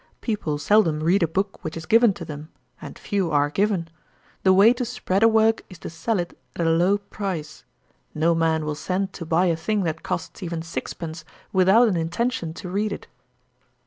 People seldom read a book which is given to them; and few are given. The way to spread a work is to sell it at a low price. No man will send to buy a thing that costs even sixpence, without an intention to read it.'